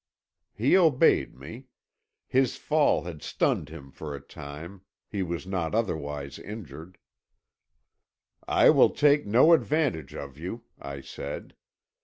"He obeyed me. His fall had stunned him for a time; he was not otherwise injured. "'I will take no advantage of you,' I said.